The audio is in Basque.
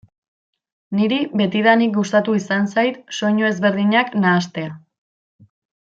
Niri betidanik gustatu izan zait soinu ezberdinak nahastea.